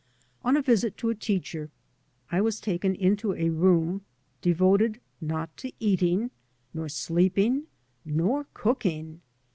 On a visit to a teacher I was taken into a room devoted not to eating, nor sleeping, nor cooking.